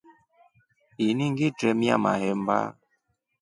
Ini ngitremia mahemba.